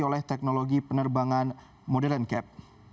oleh teknologi penerbangan modern cap